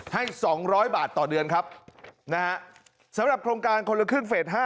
ให้๒๐๐บาทต่อเดือนครับนะฮะสำหรับโครงการคนละครึ่งเฟส๕